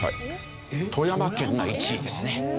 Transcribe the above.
富山県が１位ですね。